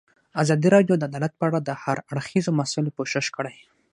ازادي راډیو د عدالت په اړه د هر اړخیزو مسایلو پوښښ کړی.